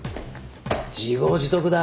自業自得だ。